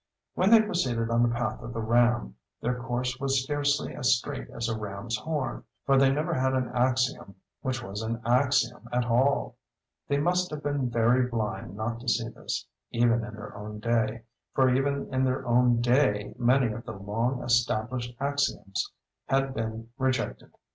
When they proceeded on the path of the Ram, their course was scarcely as straight as a ram's horn, for they never had an axiom which was an axiom at all. They must have been very blind not to see this, even in their own day; for even in their own day many of the long "established" axioms had been rejected.